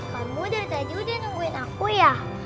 kanmu dari tadi udah nungguin aku ya